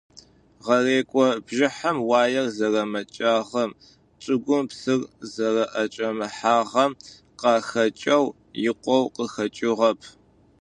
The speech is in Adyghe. Гъэрекӏо бжьыхьэм уаер зэрэмэкӏагъэм, чӏыгум псыр зэрэӏэкӏэмыхьагъэм къахэкӏэу икъоу къыхэкӏыгъэп.